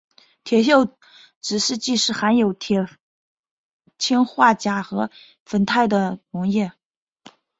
铁锈指示剂是含有铁氰化钾和酚酞的溶液。